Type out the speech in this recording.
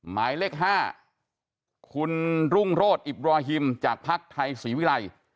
หมายเลข๕คุณรุ่งโรธอิบรอฮิมจากภักดิ์ไทยศรีวิรัย